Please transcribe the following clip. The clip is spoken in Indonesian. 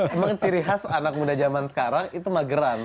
memang ciri khas anak muda zaman sekarang itu mageran